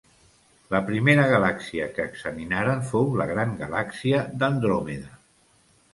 La primera galàxia que examinaren fou la Gran galàxia d'Andròmeda.